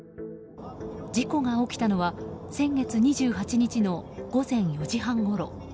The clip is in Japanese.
事故が起きたのは先月２８日の午前４時半ごろ。